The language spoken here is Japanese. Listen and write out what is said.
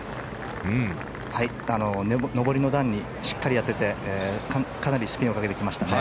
上りの段にしっかり当ててかなりスピンをかけてきましたね。